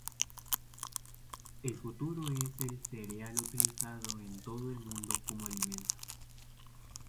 El fruto es el cereal utilizado en todo el mundo como alimento.